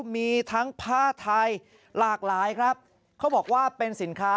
มีทั้งผ้าไทยหลากหลายครับเขาบอกว่าเป็นสินค้า